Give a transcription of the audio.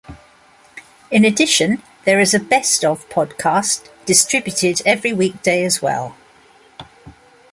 In addition, there is a "best-of" podcast distributed every weekday as well.